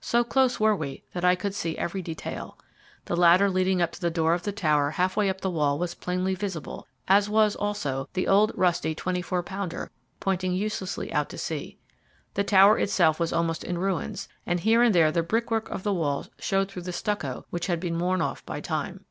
So close were we that I could see every detail. The ladder leading up to the door of the tower half way up the wall was plainly visible; as was, also, the old, rusty 24 pounder, pointing uselessly out to sea. The tower itself was almost in ruins, and here and there the brickwork of the walls showed through the stucco, which had worn off by time.